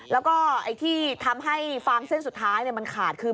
แล้วก็ไอ้ที่ทำให้ฟางเส้นสุดท้ายมันขาดคือ